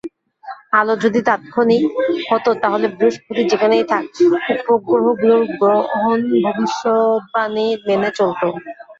আলো যদি তাৎক্ষণিক হতো তাহলে বৃহঃস্পতি যেখানেই থাক উপগ্রহগুলোর গ্রহণ ভবিষ্যদ্বাণী মেনে চলত।